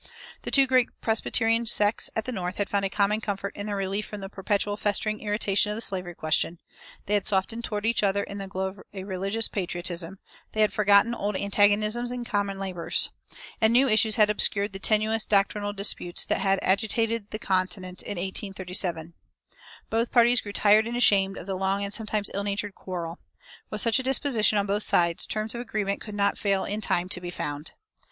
The two great Presbyterian sects at the North had found a common comfort in their relief from the perpetual festering irritation of the slavery question; they had softened toward each other in the glow of a religious patriotism; they had forgotten old antagonisms in common labors; and new issues had obscured the tenuous doctrinal disputes that had agitated the continent in 1837. Both parties grew tired and ashamed of the long and sometimes ill natured quarrel. With such a disposition on both sides, terms of agreement could not fail in time to be found.